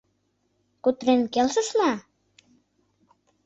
Кутырен келшышна?